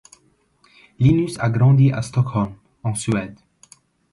Linus a grandi à Stockholm, en Suède.